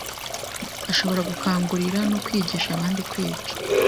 ashabora gukangurira no kwigisha abandi kwica